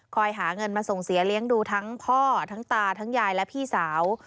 หาเงินมาส่งเสียเลี้ยงดูทั้งพ่อทั้งตาทั้งยายและพี่สาว